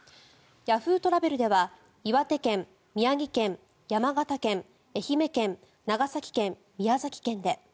Ｙａｈｏｏ！トラベルでは岩手県、宮城県、山形県愛媛県、長崎県、宮崎県で。